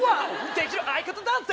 できる相方だぜ！